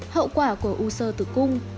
hậu quả của u sơ tử cung